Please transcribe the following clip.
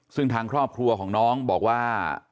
ซึ่งทางครอบครัวของน้องบอกว่า